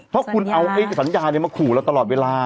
เพราะคุณเอาสัญญามาขู่เราตลอดเวลา